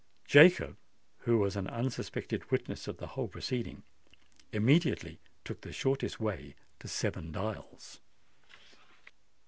Jacob, who was an unsuspected witness of the whole proceeding, immediately took the shortest way to Seven Dials.